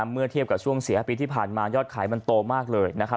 เมื่อเทียบกับช่วงเสียปีที่ผ่านมายอดขายมันโตมากเลยนะครับ